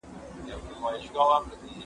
زده کړې نجونې د ټولنې غږ منظموي.